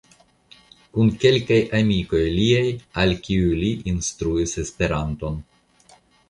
Kun kelkaj amikoj liaj, al kiuj li instruis Esperanton.